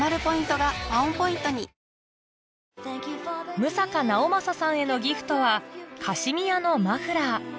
六平直政さんへのギフトはカシミヤのマフラー